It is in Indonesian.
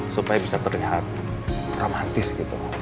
supaya bisa terlihat romantis gitu